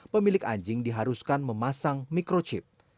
pemilik anjing diharuskan memasang microchip